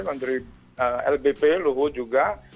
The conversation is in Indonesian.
menteri lbp luhut juga